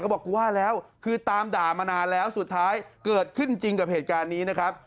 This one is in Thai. บอกกูว่าแล้วคือตามด่ามานานแล้วสุดท้ายเกิดขึ้นจริงกับเหตุการณ์นี้นะครับ